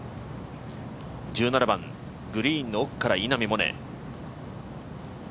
１７番、グリーンの奥から稲見萌寧。